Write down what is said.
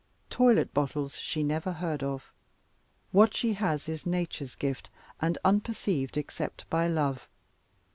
Toilet bottles she never heard of; what she has is nature's gift, and unperceived except by love.